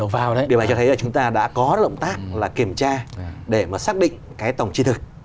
và lại cho thấy là chúng ta đã có động tác là kiểm tra để mà xác định cái tổng chi thực